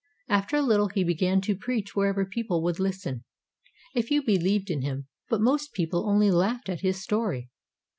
After a little, he began to preach wherever people would listen. A few beheved in him, but most people only laughed at his story.